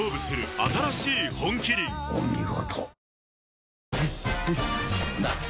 お見事。